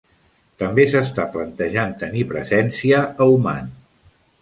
També s'està plantejant tenir presència a Oman.